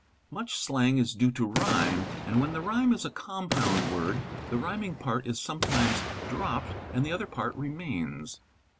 | "Much slang is due to rhyme, and when the rhyme is a con:pound word the rhyming part is sometimes dropped and the other part remains.